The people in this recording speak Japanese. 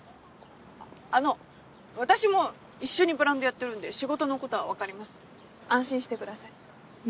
あの私も一緒にブランドやってるんで仕事のことは分かります安心してください。